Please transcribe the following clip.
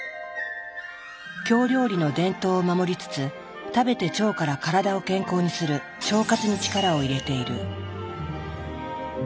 京料理の伝統を守りつつ食べて腸から体を健康にする「腸活」に力を入れている。